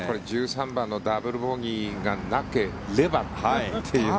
１３番のダブルボギーがなければという。